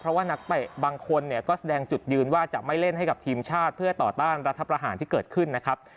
เพราะว่านักเตะบางคนเนี่ยก็แสดงจุดยืนว่าจะไม่เล่นให้กับทีมชาติเพื่อต่อต้านรัฐประหารที่เกิดขึ้นนะครับ